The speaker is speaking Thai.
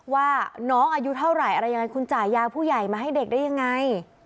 ว่าน้องอายุเท่าไหร่อะไรยังไงคุณจ่ายยาผู้ใหญ่มาให้เด็กได้ยังไง